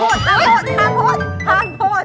หามพูด